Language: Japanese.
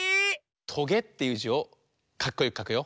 「とげ」っていう「じ」をかっこよくかくよ。